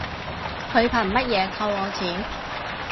佢憑乜嘢扣我錢